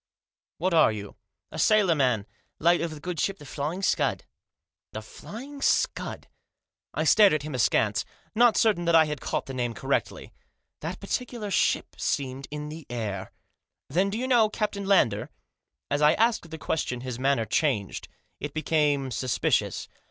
"What are you?" ' A sailor man, late of the good ship Flying Scud" " The Flying Scud ?" I stared at him askance, not certain that I had caught the name correctly. That particular ship seemed in the air. " Then do you know Captain Lander ?" As I asked the question his manner changed. It became suspicious.